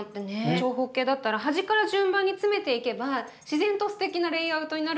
長方形だったら端から順番に詰めていけば自然とすてきなレイアウトになるなと思って。